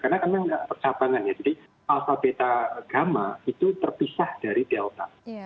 karena memang ada persamaan ya jadi alpha beta gamma itu terpisah dari delta